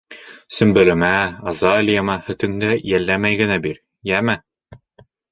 Сөмбөлөмә, Азалияма һөтөңдө йәлләмәй генә бир, йәме.